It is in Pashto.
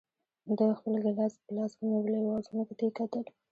ده خپل ګیلاس په لاس کې نیولی و او ځمکې ته یې کتل.